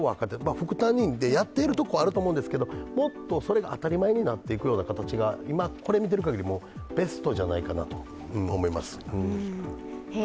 副担任でやっているところはあると思うんですけどもっとそれが当たり前になっていくような形が今、これ見てるかぎり、ベストじゃないかなと思います。